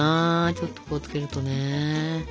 ちょっとこう付けるとね。